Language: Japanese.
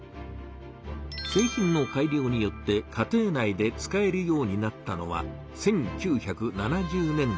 製品の改良によって家庭内で使えるようになったのは１９７０年代から。